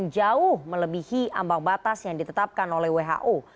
jauh melebihi ambang batas yang ditetapkan oleh who